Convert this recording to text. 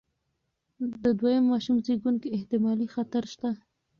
د دویم ماشوم زېږون کې احتمالي خطر شته.